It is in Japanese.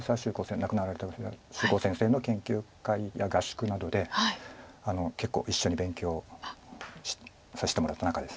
亡くなられた藤沢秀行先生の研究会や合宿などで結構一緒に勉強させてもらった仲です。